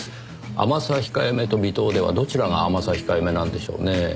甘さひかえめと微糖ではどちらが甘さひかえめなんでしょうねぇ？